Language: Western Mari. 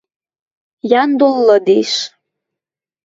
Яндул лыдеш.